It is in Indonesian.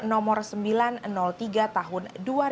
nomor sembilan ratus tiga tahun dua ribu enam belas